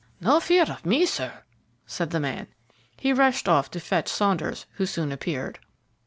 "No fear of me, sir," said the man. He rushed off to fetch Saunders, who soon appeared.